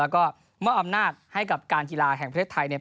แล้วก็มองอำนาจให้กับการธิลาแห่งประเทศไทย